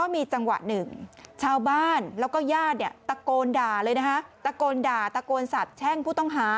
มีจังหวะ๑ชาวบ้านแล้วก็ญาติตะโกนด่าตะโกนสัตว์แช่งผู้ต้องหา